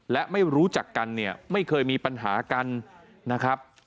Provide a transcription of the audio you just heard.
และไม่รู้จักกันเนี่ยไม่เคยมีปัญหากันนะครับ